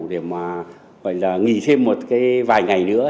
để mà nghỉ thêm một cái vài ngày nữa